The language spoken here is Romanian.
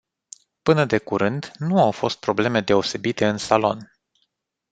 Până de curând nu au fost probleme deosebite în salon.